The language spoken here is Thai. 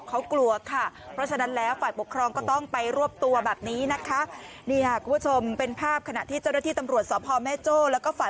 เขากล้าเกินไปให้ข้ามพอสอไปเลย